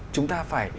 chúng ta phải